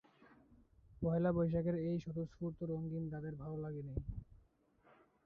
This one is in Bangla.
পয়লা বৈশাখের এই স্বতঃস্ফূর্ত রঙিন তাদের ভালো লাগেনি।